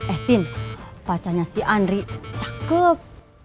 eh tin pacarnya si andri cakep